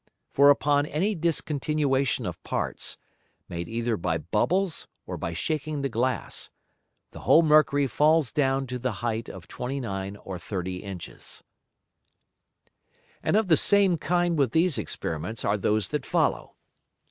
For upon any discontinuation of Parts, made either by Bubbles or by shaking the Glass, the whole Mercury falls down to the height of 29 or 30 Inches. And of the same kind with these Experiments are those that follow.